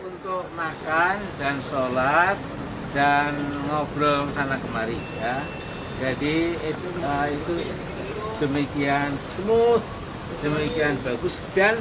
nanti kalau ingin tanya ingin tahu siang tadi makan buteg ayam kampung